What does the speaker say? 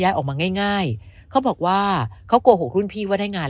ย้ายออกมาง่ายเขาบอกว่าเขากลัวหกรุ่นพี่ว่าได้งาน